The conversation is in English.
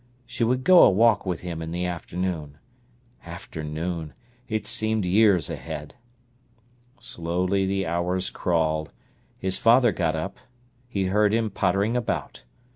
She would go a walk with him in the afternoon. Afternoon! It seemed years ahead. Slowly the hours crawled. His father got up; he heard him pottering about.